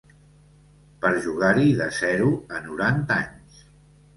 Per jugar-hi de zero a noranta anys!